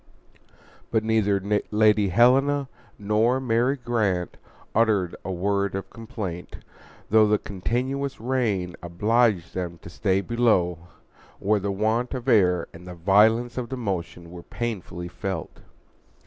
But neither Lady Helena nor Mary Grant uttered a word of complaint, though the continuous rain obliged them to stay below, where the want of air and the violence of the motion were painfully felt.